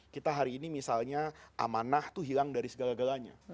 kita hari ini misalnya amanah itu hilang dari segala galanya